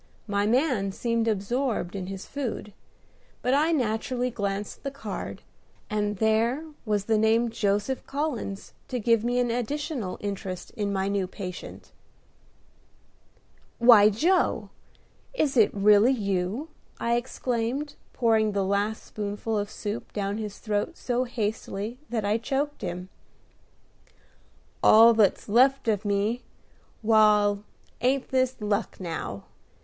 My man seemed absorbed in his food; but I naturally glanced at the card, and there was the name "Joseph Collins" to give me an additional interest in my new patient. "Why, Joe! is it really you?" I exclaimed, pouring the last spoonful of soup down his throat so hastily that I choked him. "All that's left of me. Wal, ain't this luck, now?"